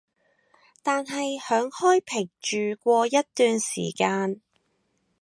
但係響開平住過一段時間